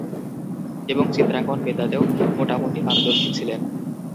এবং চিত্রাঙ্কন বিদ্যাতেও মোটামুটি পারদর্শী ছিলেন।